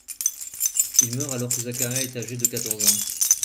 Il meurt alors que Zacharias est âgé de quatorze ans.